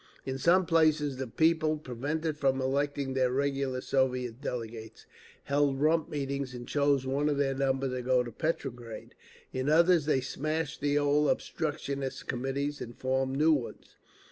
In some places the people, prevented from electing their regular Soviet delegates, held rump meetings and chose one of their number to go to Petrograd. In others they smashed the old obstructionist committees and formed new ones.